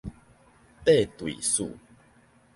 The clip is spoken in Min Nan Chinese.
底墜四